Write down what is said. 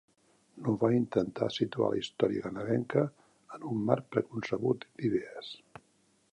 No va intentar situar la història canadenca en un marc preconcebut d'idees.